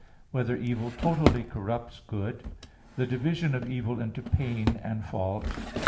(4) Whether evil totally corrupts good? (5) The division of evil into pain and fault.